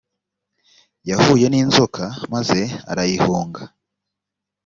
yahuye n’inzoka maze arayihunga